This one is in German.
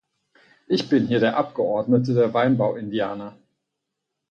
Ich bin hier der Abgeordnete der Weinbauindianer.